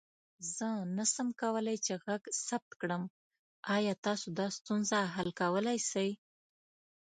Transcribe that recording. زه نسم کولى چې غږ ثبت کړم، آيا تاسو دا ستونزه حل کولى سې؟